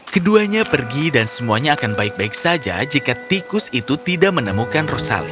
keduanya pergi dan semuanya akan baik baik saja jika tikus itu tidak menemukan rosali